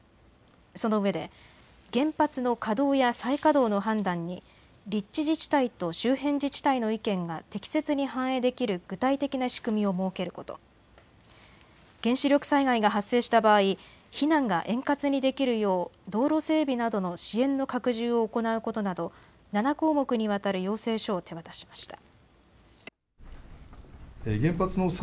そのうえで原発の稼働や再稼働の判断に立地自治体と周辺自治体の意見が適切に反映できる具体的な仕組みを設けること、原子力災害が発生した場合、避難が円滑にできるよう道路整備などの支援の拡充を行うことなど７項目にわたる要請書を手渡しました。